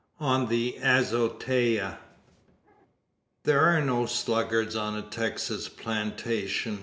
ON THE AZOTEA. There are no sluggards on a Texan plantation.